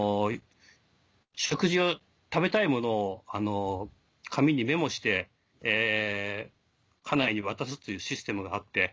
食事を食べたいものを紙にメモして家内に渡すというシステムがあって。